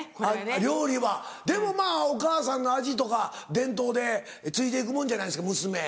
料理はでもまぁお母さんの味とか伝統で継いで行くものじゃないですか娘。